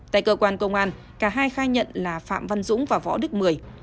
tại cơ quan công an cả hai khai nhận là phạm văn dũng và võ đức mười